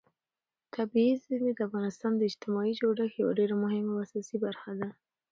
طبیعي زیرمې د افغانستان د اجتماعي جوړښت یوه ډېره مهمه او اساسي برخه ده.